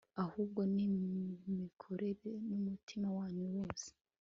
ahubwo nimumukorere n'umutima wanyu wose